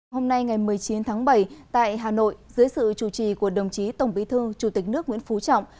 hôm nay ngày một mươi chín tháng bảy tại hà nội dưới sự chủ trì của đồng chí tổng bí thư chủ tịch nước nguyễn phú trọng